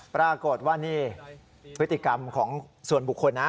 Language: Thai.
ปรากฏว่านี่พฤติกรรมของส่วนบุคคลนะ